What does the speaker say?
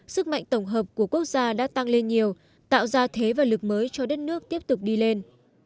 sức mạnh tổng hợp của quốc gia đã tăng lên nhiều tạo ra thế và lực mới cho đất nước tiếp tục đi lên